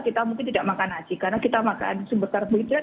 kita mungkin tidak makan haji karena kita makan sumber karbohidrat